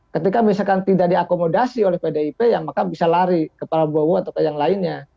ketika misalkan tidak diakomodasi oleh pdip ya maka bisa lari ke prabowo atau ke yang lainnya